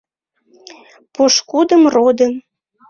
пошкудым, родым.